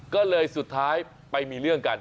ก็เลยสุดท้ายไปมีเรื่องกัน